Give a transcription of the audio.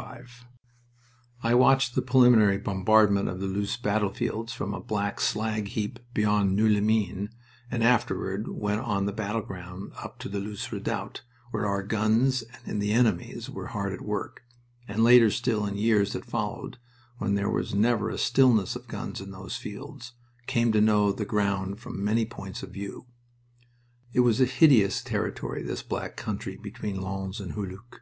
V I watched the preliminary bombardment of the Loos battlefields from a black slag heap beyond Noeux les Mines, and afterward went on the battleground up to the Loos redoubt, when our guns and the enemy's were hard at work; and later still, in years that followed, when there was never a silence of guns in those fields, came to know the ground from many points of view. It was a hideous territory, this Black Country between Lens and Hulluch.